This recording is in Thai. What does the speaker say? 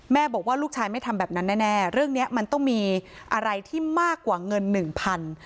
บอกว่าลูกชายไม่ทำแบบนั้นแน่เรื่องนี้มันต้องมีอะไรที่มากกว่าเงินหนึ่งพัน